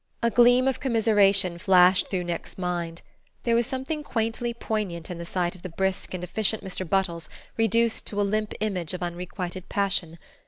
A gleam of commiseration flashed through Nick's mind: there was something quaintly poignant in the sight of the brisk and efficient Mr. Buttles reduced to a limp image of unrequited passion.